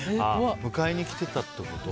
迎えに来ていたってこと？